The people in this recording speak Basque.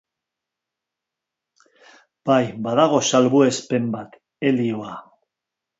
Baina badago salbuespen bat: helioa.